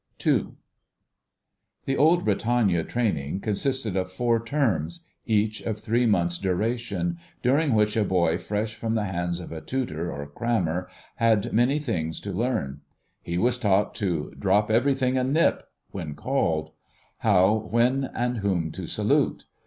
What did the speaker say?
*II.* The old Britannia training consisted of four terms, each of three months' duration, during which a boy fresh from the hands of a tutor or crammer had many things to learn. He was taught to "drop everything and nip!" when called; how, when, and whom to salute.